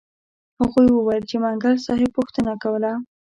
هغوی وویل چې منګل صاحب پوښتنه کوله.